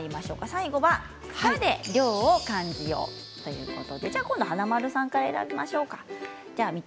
最後は草で涼を感じようということで華丸さんから選びましょうか。